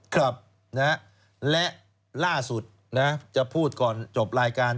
ครับนะฮะและล่าสุดนะจะพูดก่อนจบรายการ